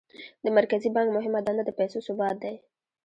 د مرکزي بانک مهمه دنده د پیسو ثبات دی.